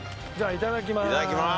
いただきまーす！